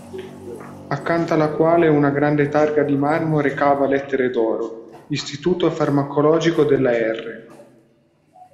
Accanto alla quale una grande targa di marmo recava a lettere d'oro: Istituto Farmacologico della R.